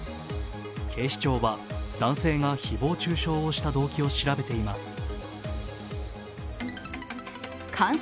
警視庁は男性が誹謗中傷をした動機を調べています。